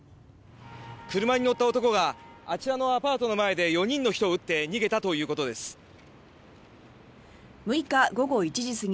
車に乗った男があちらのアパートの前で４人の人を撃って逃げたということです。